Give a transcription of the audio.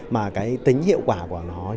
mà cái tính hiệu quả của các nhà nước